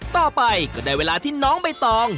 ต่อไปก็ได้เวลาที่น้องใบตอง